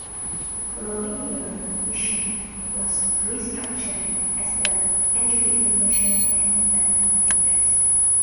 The following year the Mission was restructured as the Anglican Mission in the Americas.